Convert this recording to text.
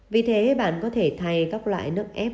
vì thế bạn có thể thay các loại nước ép